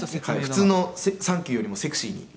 「普通のサンキューよりもセクシーになってます」